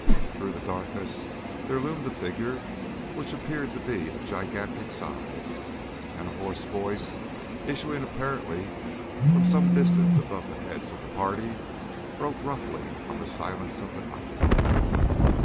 Through the darkness there loomed a figure which appeared to be of gigantic size, and a hoarse voice, issuing apparently some distance above the heads of the party, broke roughly on the silence of the night.